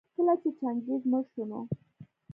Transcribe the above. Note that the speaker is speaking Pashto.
کله چي چنګېز مړ شو نو